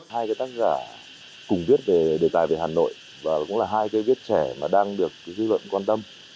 hai cái tác giả cùng viết về đề tài về hà nội và cũng là hai cái viết trẻ mà đang được dư luận quan tâm